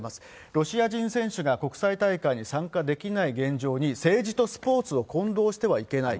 ロシア人選手が国際大会に参加できない現状に政治とスポーツを混同してはいけない。